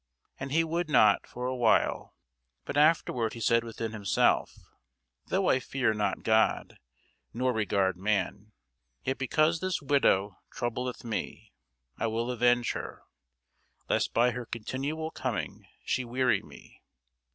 And he would not for a while: but afterward he said within himself, Though I fear not God, nor regard man; yet because this widow troubleth me, I will avenge her, lest by her continual coming she weary me.